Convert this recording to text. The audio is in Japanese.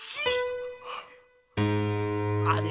あれ？